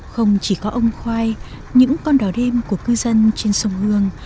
không chỉ có ông khoai những con đò đêm của cư dân trên sông hương